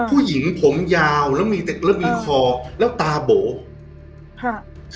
ผู้หญิงผมยาวแล้วมีตึกแล้วมีคอแล้วตาโบค่ะ